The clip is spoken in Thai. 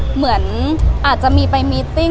เหมือนอาจจะมีไปมิตติ้ง